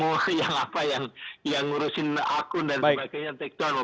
itu sudah tidak ada yang ngurusin akun dan sebagainya